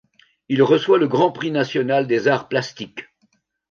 Il reçoit le Grand Prix national des Arts plastiques.